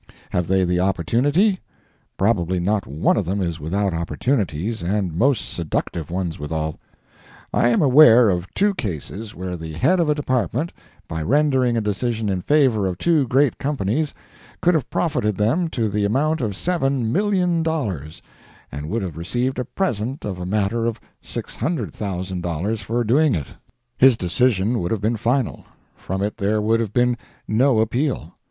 Have they the opportunity? Probably not one of them is without opportunities, and most seductive ones withal. I am aware of two cases where the head of a Department, by rendering a decision in favor of two great companies, could have profited them to the amount of $7,000,000, and would have received a "present" of a matter of $600,000 for doing it. His decision would have been final—from it there would have been no appeal.